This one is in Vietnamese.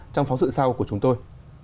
trong phóng sự sau của chúng tôi